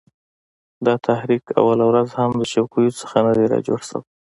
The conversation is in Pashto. دا تحریک اوله ورځ هم د چوکیو څخه نه دی را جوړ سوی